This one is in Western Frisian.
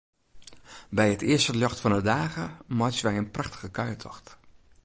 By it earste ljocht fan 'e dage meitsje wy in prachtige kuiertocht.